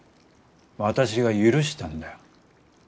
私が許したんだよ。